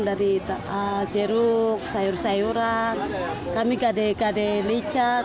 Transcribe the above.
dari jeruk sayur sayuran kami gade gade licat